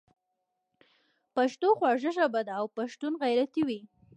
پښتو خوږه ژبه ده او پښتون غیرتي وي.